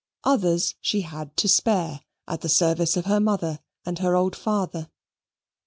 Others she had to spare, at the service of her mother and her old father.